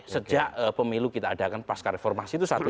sejak pemilu kita ada kan pasca reformasi itu satu